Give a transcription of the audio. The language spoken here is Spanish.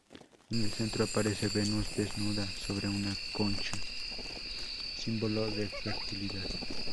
En el centro aparece Venus desnuda sobre una concha, símbolo de fertilidad.